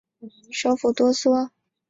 首府多索。